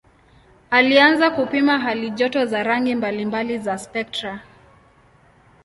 Alianza kupima halijoto za rangi mbalimbali za spektra.